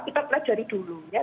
kita pelajari dulu ya